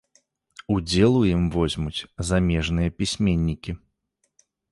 Удзел у ім возьмуць замежныя пісьменнікі.